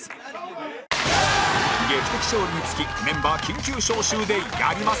劇的勝利につきメンバー緊急招集でやります！